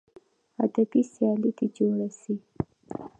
ادبي سیالۍ دې جوړې سي.